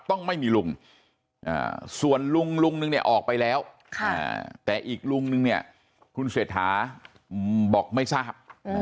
ต้องไม่มีลุงส่วนลุงลุงนึงเนี่ยออกไปแล้วแต่อีกลุงนึงเนี่ยคุณเศรษฐาบอกไม่ทราบ